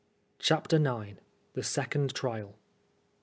CHAPTER IX. THE SECOND TBIAL.